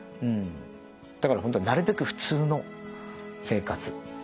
だから本当なるべく普通の生活をする。